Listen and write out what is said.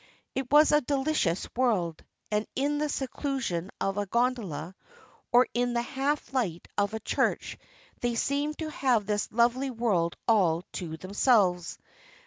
It was a delicious world, and in the seclusion of a gondola, or in the half light of a church, they seemed to have this lovely world all to themselves.